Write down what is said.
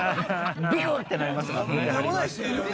ビクってなりますもんね。